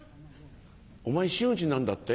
「お前真打ちになんだって？」。